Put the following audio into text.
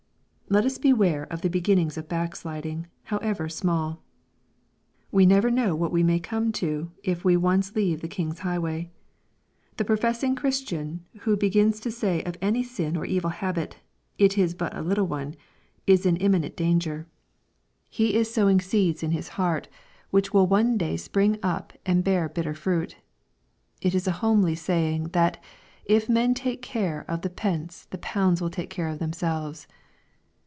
Let us beware of the beginnings of backsliding, how ever small. We never know what we may come to, if we once leave the king's high way. The professing Christian who begins to say of any sin or evil habit, *'it \ is but a little one," is in imminent danger. He is sow LUKE, CHAP. XXII 487 ing seeds in his heart, which will one day spring up and bear bitter fruit. It is a homely saying, that " if men take care of the pence the pounds will take care of themselves."